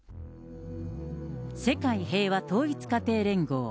世界平和統一家庭連合。